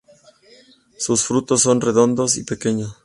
Sus frutos son redondos y pequeños.